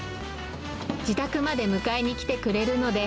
自宅まで迎えにきてくれるので、